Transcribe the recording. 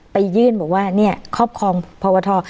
ไปยื่นบอกว่าเนี่ยครอบครองพวท